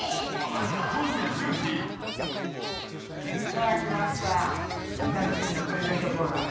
さあ来ました楽しみなプレゼントコーナー